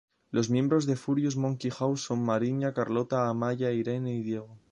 Los miembros de Furious Monkey House son Mariña, Carlota, Amaya, Irene y Diego.